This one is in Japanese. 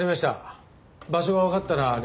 場所がわかったら連絡ください。